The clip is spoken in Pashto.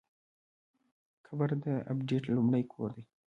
قبر د ابدیت لومړی کور دی؟